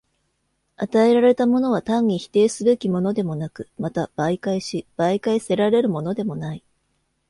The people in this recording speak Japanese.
与えられたものは単に否定すべきものでもなく、また媒介し媒介せられるものでもない。